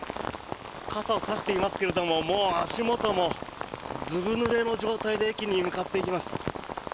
傘を差していますけれどももう足元も、ずぶぬれの状態で駅に向かっていきます。